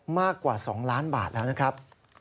มากกว่า๒ล้านบาทแล้วนะครับ